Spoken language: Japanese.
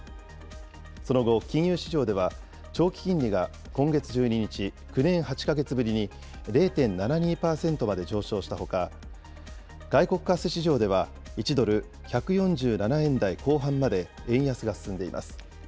その後、金融市場では、長期金利が今月１２日、９年８か月ぶりに０．７２％まで上昇したほか、外国為替市場では１ドル１４７円台後半まで円安が進んでいます。